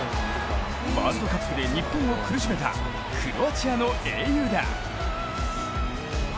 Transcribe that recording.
ワールドカップで日本を苦しめたクロアチアの英雄だ。